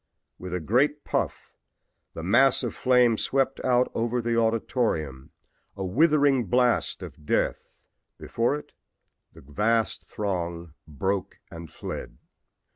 With a great puff the mass of flame swept out over the auditorium, a withering blast of death. Before it the vast throng broke and fled.